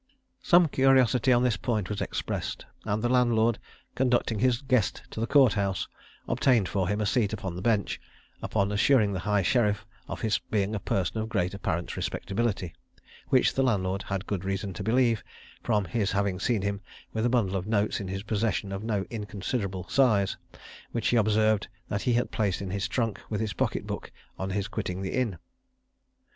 Some curiosity on this point was expressed; and the landlord, conducting his guest to the Court house, obtained for him a seat upon the bench, upon assuring the high sheriff of his being a person of great apparent respectability, which the landlord had good reason to believe, from his having seen him with a bundle of notes in his possession of no inconsiderable size, which he observed that he had placed in his trunk with his pocket book on his quitting the inn.